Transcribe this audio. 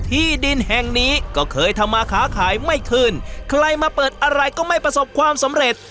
ที่ดินแห่งนี้ก็เคยทำมาค้าขายไม่ขึ้นใครมาเปิดอะไรก็ไม่ประสบความสำเร็จ